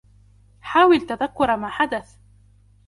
حاول تذكر ماذا حدث.